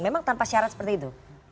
tidak mau bergabung tanpa syarat seperti itu